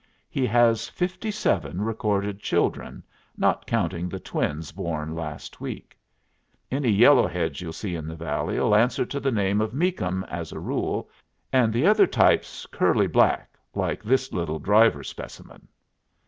He has fifty seven recorded children, not counting the twins born last week. Any yellow heads you'll see in the valley'll answer to the name of Meakum as a rule, and the other type's curly black like this little driver specimen."